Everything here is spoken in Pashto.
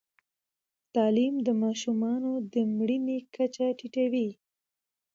تعلیم د ماشومانو د مړینې کچه ټیټوي.